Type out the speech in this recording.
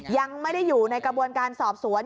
ยังไม่ได้อยู่ในกระบวนการสอบสวน